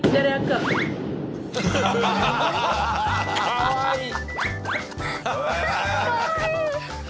かわいい！